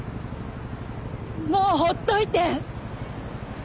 もう放っといて！